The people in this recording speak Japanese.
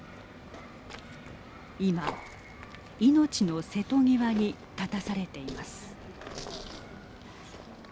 今、命の瀬戸際に立たされています。